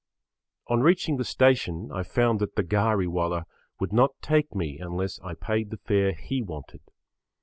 On reaching the station I found that the ghari wala would not take me unless I paid the fare he wanted.